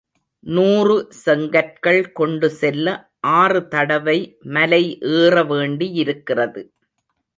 நூறு செங்கற்கள் கொண்டு செல்ல ஆறு தடவை மலை ஏறவேண்டியிருக்கிறது.